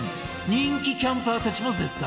人気キャンパーたちも絶賛！